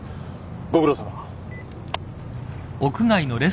ご苦労さま。